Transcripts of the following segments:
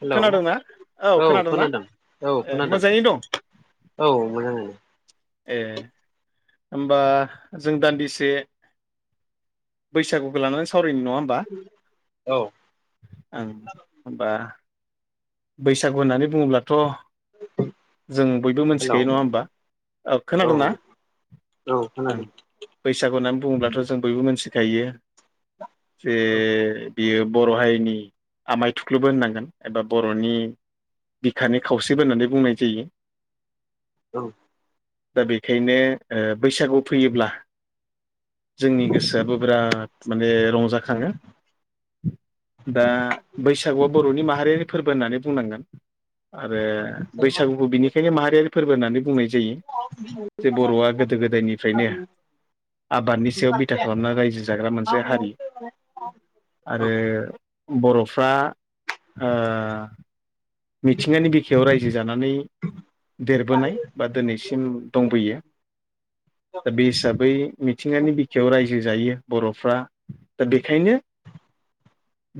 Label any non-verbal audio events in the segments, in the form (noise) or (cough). हेल' खोनादोंना औ खोनादों औ ए खोनादों मोजाङैनो दं औ मोजां ए होमबा जों दान्दिसे बैसागुखौ लानानै सावरायनाय नङा होनबा औ आं होनबा बैसागु होननानै बुङोब्लाथ' जों बयबो हेलौ मिथिखायो नङा होमबा औ खोनादोंना औ ओं खोनादों बैसागु होननानै बुङोब्लाथ' जों बयबो मिथिखायो जे औ बियो बर' हारिनि आमाय थुख्लुबो होननांगोन एबा बर'नि बिखानि खावसेबो होननानै बुंनाय जायो औ दा बेखायनो बैसागुआव फैयोब्ला जोंनि गोसोआबो बिराद माने रंजाखाङो दा बैसागुआ बर'नि माहारिारि फोरबो होननानै बुंनांगोन आरो औ बैसागो बैसागुखौ बिनिखायनो माहारियारि फोरबो होननानै बुंनाय जायो जे बर'आ गोदो गोदायनिफ्रायनो आबादनि सायाव बिथा खालामना रायजो जाग्रा मोनसे हारि आरो होननानै बर'फ्रा ओ मिथिंगानि बिखायाव रायजो जानानै देरबोनाय बा दिनैसिम दंबोयो दा बे हिसाबै मिथिंगानि बिखायाव रायजो जायो बर'फ्रा दा बेखायनो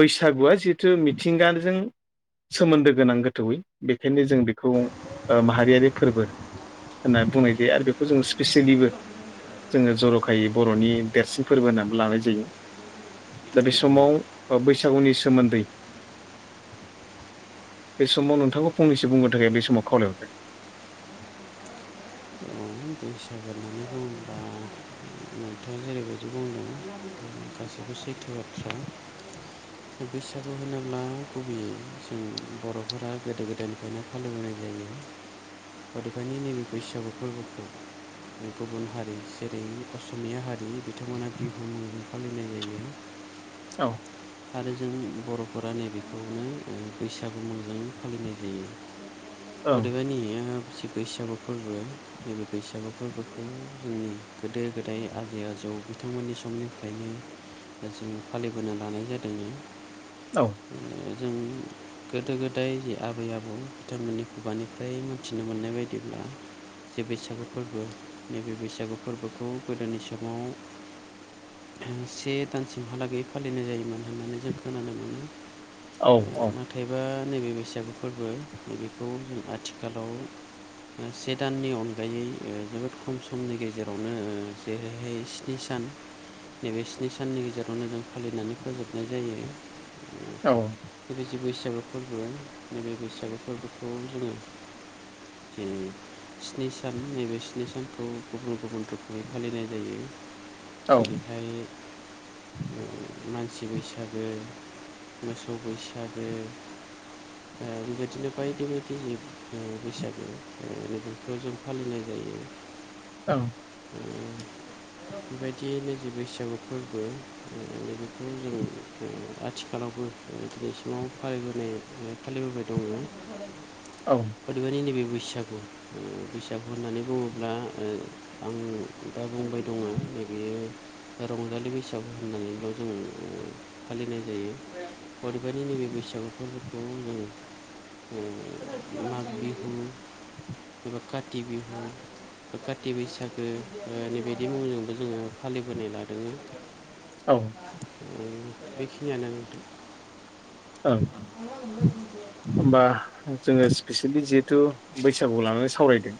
बैसागुआ जिहेथु मिथिंगाजों सोमोन्दो गोनां गोथौयै बेखायनो जों बेखौ माहारियारि फोरबो होनना बुंनाय जायो आरो बे बे खौ जोङो स्पेसियेलिबो जोङो जर'खायै बर'नि देरसिन फोरबो होननानै लानाय जायो दा बे समाव बैसागुनि सोमोन्दै बे समाव नोंथांखौ फंनैसो बुंगोरनो थाखाय आं बे समाव खावलायहरबाय बैसागु होन्नानै बुङोब्ला नोंथाङा जेरैबायदि बुंदों असेथ बफ्रा बैसागु होनोब्ला गुबैयै जों बर'फोरा गोदो गोदायनिफ्राय बेखायनो फालिबोनाय जायो गदखायनो नैबे बैसागु फोरबोखौ गुबुन हारि जेरै असमिया हारि बिथांमोना बिहु फालिनाय जायो औ आरो जों बर'फोरा नैबेखौनो बैसागु मोजां फालिनाय जायो ओं अदेबानिया जेबो बैसागु फोरबो बैसागुफोरखौ जोंनि गोदो गोदाय आजै आजौ बिथांमोननि समनिफ्रायनो दा जों फालिबोनो लानाय जादों औ जों गोदो गोदाय जि आबै आबौ बिथांमोननि खुगानिफ्राय मोनथिनो मोननाय बायदिब्ला जे बैसागु फोरबो नैबे बैसागु फोरबोखौ गोदोनि समाव से दानसिमहालागै फालिनाय जायोमोन होननानै जों खोनानो मोनो औ मा औ नाथायबा नैबे बैसागु फोरबो नैबेखौ जों आथिखालाव से दाननि अनगा अनगायै जोबोद खम समनि गेजेरावनो जेरैहाय स्नि सान नैबे स्नि साननि गेजेरावनो जों फालिनानै फोजोबनाय जायो औ बेबायदि बैसागो फोरबो नैबे बैसागो फोरबोखौ जोङो जेरै स्नि सान नैबे स्नि सानखौ गुबुन गुबुन रोखोमै फालिनाय जायो। औ जेरैहाय मानसि बैसागो मोसौ बैसागो बेबायदिनो बायदि बायदि बैसागु बेखौ जों फालिनाय जायो। औ (unintelligible) बेबायदियैनो जे बैसागु फोरबो बेखौ जों आथिखालावबो दिनैसिमाव फालिबोनाय फालिबोबाय दङ औ अदेबानि नैबे बैसागु बिजाब होननानै बुङोब्ला ़ आं दा बुंबाय दङ नै बेयो रंजालि बैसागु होननानैल' जों फालिनाय जायो रैबदि नैबे बैसागुफोरखौ नोङो माग बिहु एब काथि बिहु काति बैसागोनि बायदि मुंजोंबो जोङो फालिबोनाय लादों औ बेखिनियानो नोंथां। औ औ होमबा जोङो स्पेसियेलि जिहेथु बैसागुखौ लानानै सावरायदों।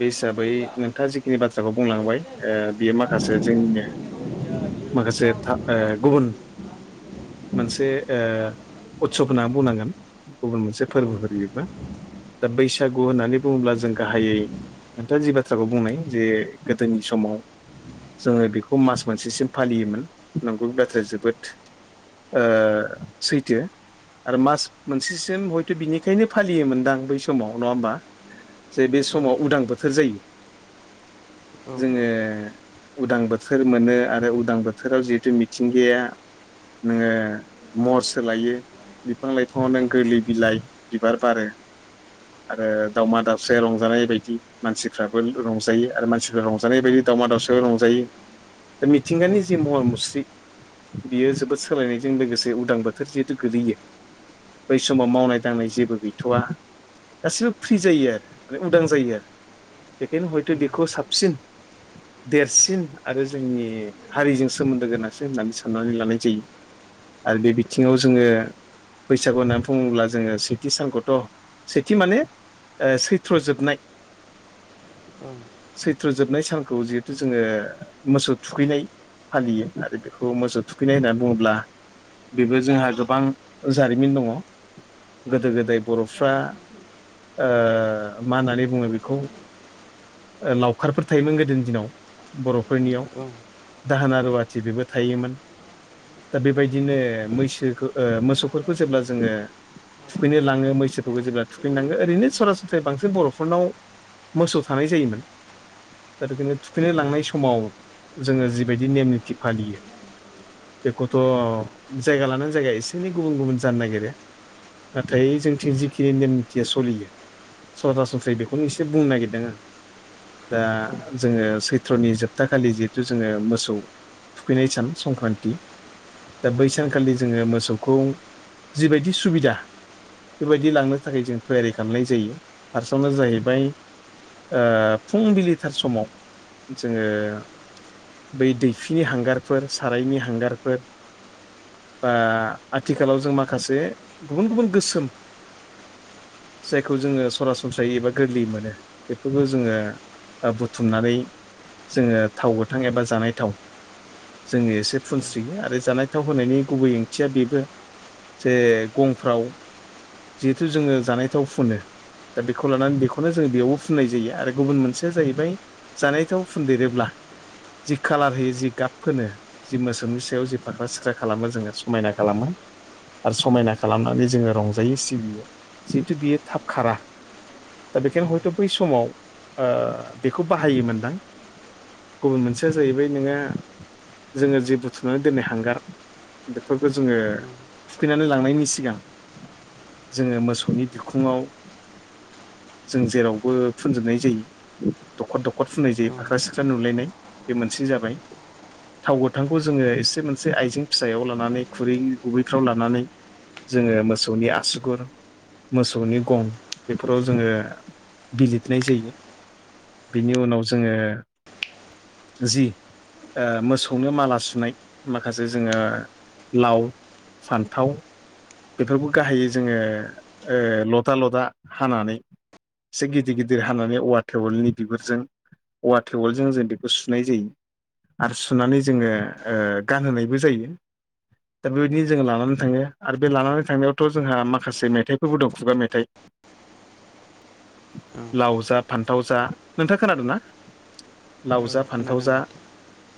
बे हिसाबै नोंथाङा जिखिनि बाथ्राखौ बुंलांबाय ओ बियो माखासे जोंनिनो माखासे था गुबुन मोनसे ओ उत्सब होनना बुंनांगोन गुबुन मोनसे औ फोरबोफोर बेबो दा बैसागु होननानै बुङोब्ला जों गाहायै नोंथाङा जि बाथ्राखौ बुंनाय जे गोदोनि समाव जोङो बेखौ मास मोनसेसिम फालियोमोन नंगौ बे बाथ्राया जोबोद ओ सैथो आरो मास मोनसेसिम हयथ' बिनिखायनो फालियोमोनदां बै समाव नङा होमबा? जे बे समाव उदां बोथोर जायो औ जोङो उदां बोथोर मोनो आरो उदां बोथोराव जिहेथु मिथिंगाया नोङो महर सोलायो बिफां लाइफाङाव नों गोरलै बिलाइ बिबार बारो आरो दावउमा दावसे रंजानाय बायदि मानसिफ्राबो रंजायो आरो मानसिफ्राबो रंजानाय बायदि दावमा दावसा रंजायो दा मिथिंगानि जि महर मुस्रि बियो जोबोद सोलायनायजों लोगोसे जे उदां बोथोर जिहेथु गोगलैयो बै समाव मावनाय दांनाय जेबो गैथ'वा गासिबो फ्रि जायो आरो माने उदां जायो आरो बेखायनो हयथ' बेखौ साबसिन देरसिन आरो जोंनि हारिजों सोमोन्दो गोनांसिन होननानै साननानै लानाय जायो। आरो बे बिथिङाव जोङो बैसागु होननानै बुङोब्ला जोङो सेथि सानखौथ' सेथि माने सैथ्र' जोबनाय औ सैथ्र जोबनाय सानखौ जिहेथु जोङो मोसौ थुखैनाय फालियो आरो बेखौ मोजां थुखैनाय होननानै बुङोब्ला बेबो जोंहा गोबां जारिमिन दङ गोदो गोदाय बर'फ्रा मा होननानै बुङो बेखौ लावखारफोर थायोमोन गोदोनि दिनाव बर'फोरनियाव दाहोना रुवाथि बेबो थायोमोन दा बेबायदि बिदिनो मैसोखौ मोसौफोरखौ जेब्ला जोङो थुखैनो लाङो मैसोफोरखौ जेब्ला थुखैनांगो ओरैनो सरासनस्रायै बांसिन बर'फोरनाव मोसौ थानाय जायोमोन। दा बेखायनो थुखैनो लांनाय समाव जोङो जिबायदि नेम निथि फालियो बेखौथ' जायगा लानानै जायगा एसे एनै गुबुन गुबुन जानो नागिरो। नाथाय जोंथिं जिखिनि नेम निथिया सोलियो सरासनस्रायै बेखौनो एसे बुंनो नागिरदों आ दा जोङो सैत्र नि जोब सपताखालि जिहेथु जोङो मोसौ थुखैनाय सान संक्रान्ति दा बैसानखालि जोङो मोसौखौ जिबायदि सुबिदा बेबायदि लांनो थाखाय जों थैयारि खालामनाय जायो फार्स्टआवनो जाहैबाय ओ फुंबिलिथार समाव जोङो बै दैफिनि हांगारफोर सारायनि हांगारफोर बा आथिखालाव जों माखासे गुबुन गुबुन गोसोम जायखौ जोङो सरासनस्रायै एबा गोरलै मोनो बेफोरबो जोङो ओ बुथुमनानै जोङो थाव गोथां एबा जानाय थाव जोङो एसे फुनस्रोयो आरो जानायथाव होनायनि गुबै ओंथिया बेबो जे गंफ्राव जिहेथु जोङो जानाय थाव फुनो दा बेखौ लानानै बेखौनो जों बेयावबो फुननाय जायो आरो गुबुन मोनसेया जाहैबाय जानायथाव फुनन्देरोब्ला जि कालार होयो जि गाब फोनो जि मोसौमनि सायाव जि फाख्रा-सिख्रा खालामो जोङो समायना खालामो आरो समायना खालामनानै जोङो रंजायो सिबियो जिहेथु बियो थाब खारा। दा बेखायनो हयथ' बै समाव ओ बेखौ बाहायोमोनदां। गुबुन मोनसेया जाहैबाय नोङो जोङो जे बुथुमनानै दोननाय हांगार बेफोरखौ जोङो थुखैनानै लांनायनि सिगां जोङो मोसौनि बिखुङाव जों जेरावबो फुनजोबनाय जायो दखर दखर फुननाय जायो औ फाख्रा सि खा सार नुलायनाय बे मोनसे जाबाय थाव गोथांखौ जोङो एसे मोनसे आइजें फिसायाव लानानै खुरै गुबैफ्राव लानानै जोङो मोसौनि आसुगुर मोसौनि गं बेफोराव जोङो बिलिरनाय जायो बिनि उनाव जोङो जि ओ मोसौनो माला सुनाय माखासे जोङो लाव सान्थाव बेफोरखौ गाहायो जोङो ओ लदा लदा हानानै एसे गिदिर गिदिर हानानै औवा टेवलनि बिगुरजों औवा तेवलजों जों बेखौ सुनाय जायो। आरो सुनानै जोङो ओ गानहोनायबो जायो दा बेबायदिनो जोङो लानानै थाङो आरो बे लानानै थांनायाव थ' जोंहा माखासे मेथाइफोरबो दं खुगा मेथाइ। औ लाव जा फान्थाव जा नोंथाङा खोनादोंना लाव औ जा फान्थाव खोनादों जा नोंथां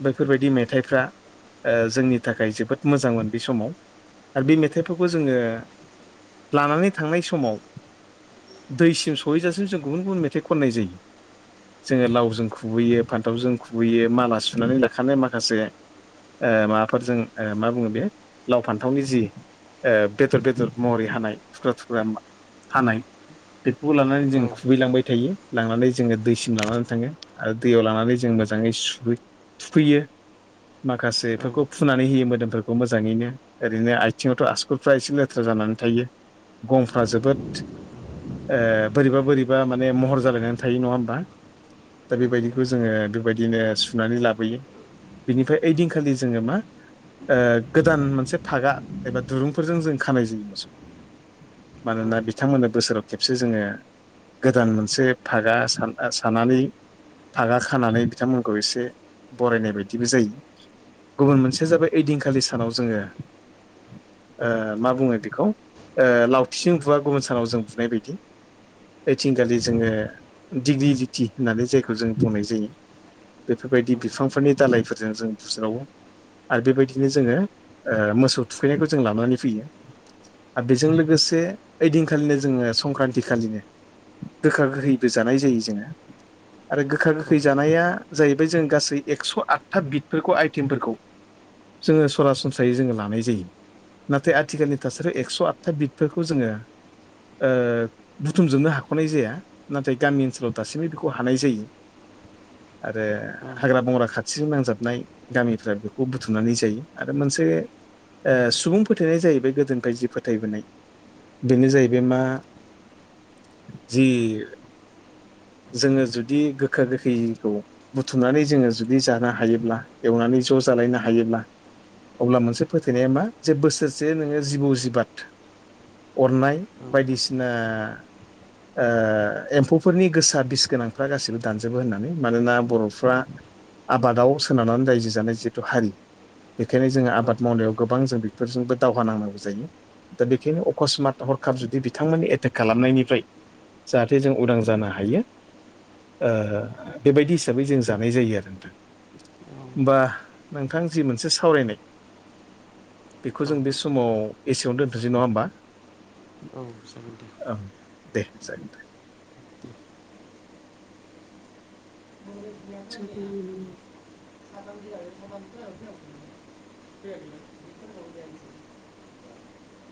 बैफोरबायदि मेथाइफ्रा ओ जोंनि थाखाय जोबोद मोजांमोन बे समाव। आरो बे मेथाइफोरखौ जोङो लानानै थांनाय समाव दैसिम सहैजासिम जों गुबुन गुबुन मेथाइ खननाय जायो। जोङो लावजों खुबैयो फान्थावजों खुबैयो माला सुनानै लाखानाय माखासे ओ माबाफोरजों ओ मा बुङो बे लाव फान्थावनि जि ओ बेदर बेदर महरै हानाय थुख्रा थुख्रा हानाय बेफोरखौ लानानै जों औ खुबैलांबाय थायो। लांनानै जोङो दैसिम लानानै थाङो आरो दैयाव लानानै जों मोजाङै सु थुखैयो। माखासेफोरखौ फुनानै होयो मोदोमफोरखौ मोजाङैनो ओरैनो आथिङावथ' आसुरफ्रा एसे ले लेथा जानानै थायो गंफ्रा जोबोद ओ बोरैबा बोरैबा माने महर जालायनानै थायो नङा होमबा? दा बेबायदिखौ जोङो बेबायदिनो सुनानै लाबोयो बिनिफ्राय ओइदिनखालि जोङो मा गोदान मोनसे फागा एबा दुरुंफोरजों जों खानाय जायो मोसौखौ मानोना बिथांमोननो बोसोराव खेबसे जोङो गोदान मोनसे फागा सानना सानानै फागा खानानै बिथांमोनखौ एसे बरायनाय बायदिबो जायो। गुबुन मोनसेया जाबाय ओइदिंखालि सानाव जोङोओ मा बुङो बेखौ लावथिसिं बुवा गुबुन सानाव जों बुनाय बायदि ओइथिंखालि जोङो दिग्लिटि होननानै जायखौ जों बुंनाय जायो बेफोरबायदि बिफांफोरनि दालायफोरजों जों बुज्रावो आरो बेबायदिनो जोङो मोसौ थुखैनायखौ जों लानानै फैयो आरो बेजों लोगोसे ओइदिनखालिनो जोङो संक्रान्ति खालिनो गोखा गोखैबो जानाय जायो जोङो आरो गोखा गोखै जानाया जाहैबाय जों गासै एक्स' आठथा बिदफोरखौ आइटेमफोरखौ जोङो सरासनस्रायै जोङो लानाय जायो नाथाय आथि आथिखालनि थासारियाव एक्स' आटथा बिदफोरखौ जोङो बुथुमजोबनो हाख'नाय जाया नाथाय गामि ओनसोलाव दासिमबो बेखौ हानाय जायो आरो हाग्रा बंग्रा खाथिजों नांजाबनाय गामिफ्रा बेखौ बुथुमनानै जायो आरो मोनसे सुबुं फोथायनाय जायो बे गोदोनिफ्राय जि फोथायबोनाय बेनो जाहैबाय मा जि जोङो जुदि गोखा गोखैखौ बुथुमनानै जोङो जुदि जानो हायोब्ला एवनानै ज' जालायनो हायोब्ला अब्ला मोनसे फोथायनाया मा जे बोसोरसे नोङो जिबौ जिबाद अरनाय बायदिसिना एम्फौफोरनि गोसा बिस गोनांफ्रा गासिबो दानजोबो होननानै मानोना बर'फ्रा आबादाव सोनारनानै रायजो जानाय जिहेथु हारि बेखायनो जोङो आबाद मावनायाव गोबां जों बेफोरजोंबो दावहा नांनांगौ जायो दा बेखायनो अकस्मात हरखाब जुदि बिथांमोननि एटेक खालामनायनिफ्राय जाहाथे जों उदां जानो हायो ओ बेबायदि हिसाबै जों जानाय जायो आरो नोंथां होमबा नोंथां जि मोनसे सावरायनाय खौ जों बे समाव एसेयावनो दोनथनोसै नङा होमबा? औ जागोन दे ओ दे जागोन दे दे (inaudible) (inaudible)